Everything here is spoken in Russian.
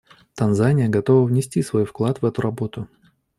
Танзания готова внести свой вклад в эту работу.